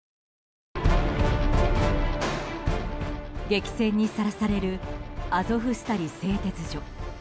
激戦にさらされるアゾフスタリ製鉄所。